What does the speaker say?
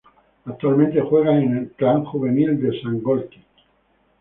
Actualmente juega en Clan Juvenil de Sangolquí.